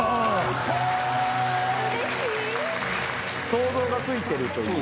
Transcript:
想像がついてるという。